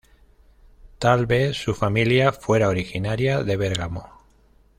Tal vez su familia fuera originaria de Bergamo.